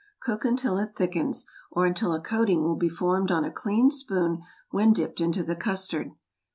Cook until it thickens, or until a coating will be formed on a clean spoon when dipped into the custard.